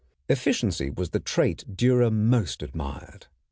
] Efficiency was the trait Dürer most admired.